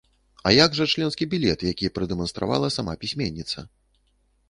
А як жа членскі білет, які прадэманстравала сама пісьменніца?